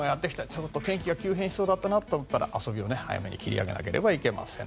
ちょっと天気が急変しそうだなと思ったら遊びを早めに切り上げなければいけません。